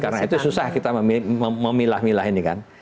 karena itu susah kita memilah milah ini kan